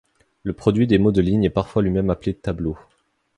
Le produit des mots de lignes est parfois lui-même appelé tableau.